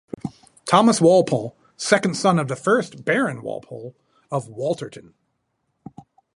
Thomas Walpole, second son of the first Baron Walpole, of Wolterton.